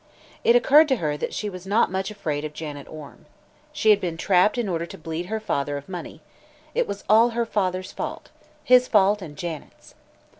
It occurred to her that she was not much afraid of Janet Orme. She had been trapped in order to bleed her father of money; it was all her father's fault his fault and Janet's.